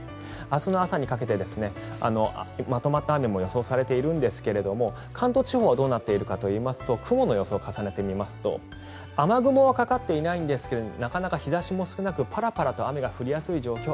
明日の朝にかけてまとまった雨も予想されているんですが関東地方はどうなっているかというと雲の予想を重ねてみますと雨雲はかかっていないんですがなかなか日差しも少なくパラパラと雨が降りやすい状況